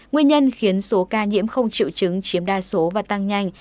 nguyên nhân khiến số ca nhiễm không triệu chứng chiếm đa số và tăng nhanh